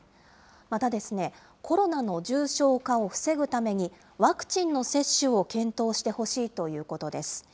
また、コロナの重症化を防ぐために、ワクチンの接種を検討してほしいということです。